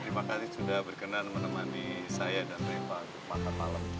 terima kasih sudah berkenan menemani saya dan reva di pantai malam